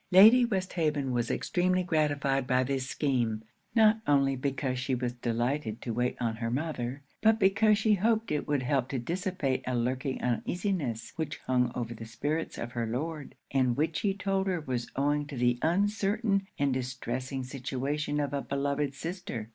Lady Westhaven was extremely gratified by this scheme; not only because she was delighted to wait on her mother, but because she hoped it would help to dissipate a lurking uneasiness which hung over the spirits of her Lord, and which he told her was owing to the uncertain and distressing situation of a beloved sister.